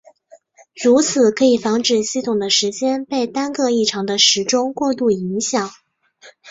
如此可以防止系统的时间被单个异常的时钟过度影响。